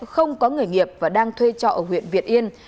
không có người nghiệp và đang thuê trọ ở huyện việt yên